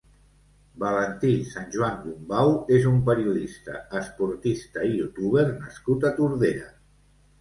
Valentí Sanjuan Gumbau és un periodista, esportista i youtuber nascut a Tordera.